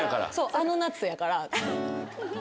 あの夏やから。